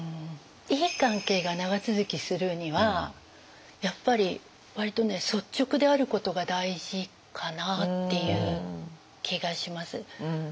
いい関係が長続きするにはやっぱり割とね率直であることが大事かなっていう気がします。